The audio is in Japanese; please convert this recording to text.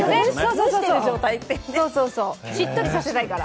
しっとりさせたいから。